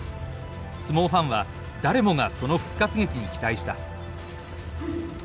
相撲ファンは誰もがその復活劇に期待した。